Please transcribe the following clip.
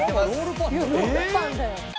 ロールパンだよ。